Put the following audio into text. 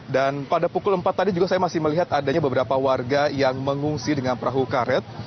dan pada pukul empat tadi juga saya masih melihat adanya beberapa warga yang mengungsi dengan perahu karet